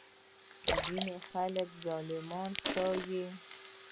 ځینې خلک ظالم ستایي.